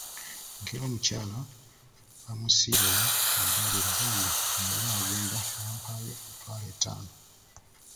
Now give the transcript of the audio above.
Enkeera omukyala baamusiibula mu ddwaliro bambi bwe yali agenda n'ampaayo emitwalo etaano.